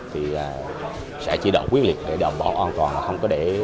thì sẽ chỉ đợi quyết liệt để đợi bỏ an toàn